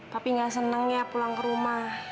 tapi nggak seneng ya pulang ke rumah